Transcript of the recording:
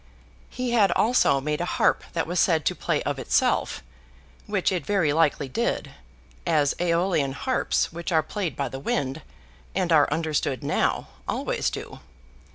He had also made a harp that was said to play of itself—which it very likely did, as Æolian Harps, which are played by the wind, and are understood now, always do.